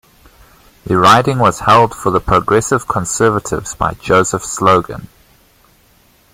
The riding was held for the Progressive Conservatives by Joseph Slogan.